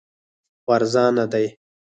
خو ارزانه دی